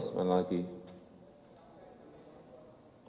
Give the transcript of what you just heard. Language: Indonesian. sampai ke medan